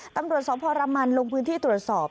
ตำรวจสพรมันลงพื้นที่ตรวจสอบ